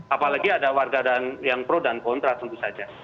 apalagi ada warga yang pro dan kontra tentu saja